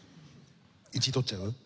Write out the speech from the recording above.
１位取っちゃう？